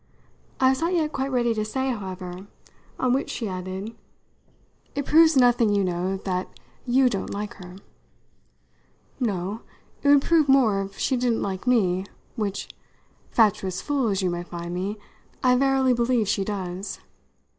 I was not yet quite ready to say, however; on which she added: "It proves nothing, you know, that you don't like her." "No. It would prove more if she didn't like me, which fatuous fool as you may find me I verily believe she does.